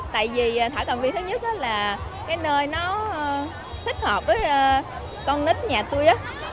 tại vì thảo cầm viên thứ nhất là cái nơi nó thích hợp với con nít nhà tôi